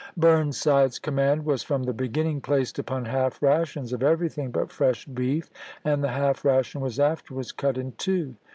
Burnside's command was from the beginning placed upon half rations of everything but fresh beef, and the half ration was afterwards cut in two.